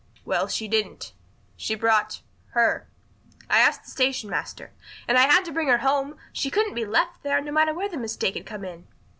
"Well, she didn't. She brought her. I asked the station master. And I had to bring her home. She couldn't be left there, no matter where the mistake had come in."